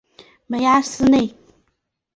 梅阿斯内。